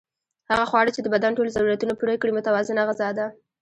هغه خواړه چې د بدن ټول ضرورتونه پوره کړي متوازنه غذا ده